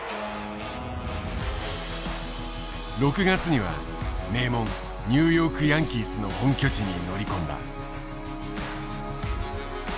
６月には名門ニューヨークヤンキースの本拠地に乗り込んだ。